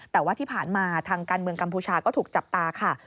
แต่ว่าที่ผ่านมาทางการเมืองกัมพูชาก็ถูกจับตาค่ะ